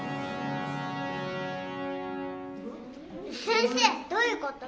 先生どういうこと？